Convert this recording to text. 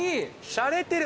しゃれてる。